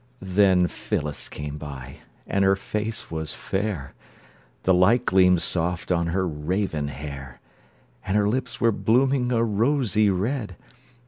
Then Phyllis came by, and her face was fair, The light gleamed soft on her raven hair; And her lips were blooming a rosy red.